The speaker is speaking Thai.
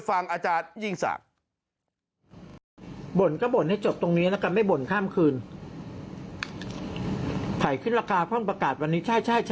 ฟังอาจารยิ่งศักดิ์